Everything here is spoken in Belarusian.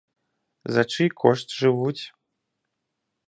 За чый кошт жывуць?